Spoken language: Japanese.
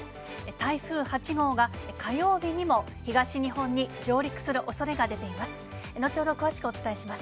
台風８号が火曜日にも、東日本に上陸するおそれが出ています。